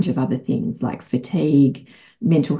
seperti kegagalan masalah kesehatan mental